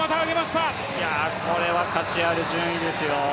これは価値ある順位ですよ。